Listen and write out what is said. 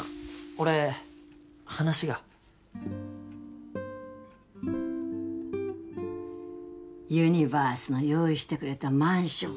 俺話がユニバースの用意してくれたマンション？